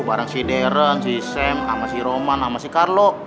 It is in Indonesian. bareng si deren si sam sama si roman sama si carlo